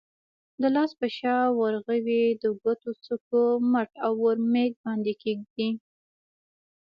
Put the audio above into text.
د لاس په شا، ورغوي، د ګوتو څوکو، مټ او اورمیږ باندې کېږدئ.